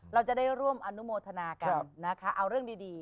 เราจะได้ร่วมอนุโมทนากันนะคะเอาเรื่องดี